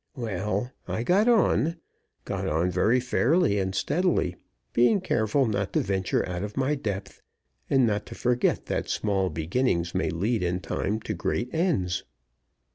Well, I got on got on very fairly and steadily, being careful not to venture out of my depth, and not to forget that small beginnings may lead in time to great ends.